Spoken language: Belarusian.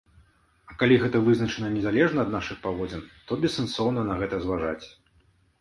А калі гэта вызначана незалежна ад нашых паводзін, то бессэнсоўна на гэта зважаць.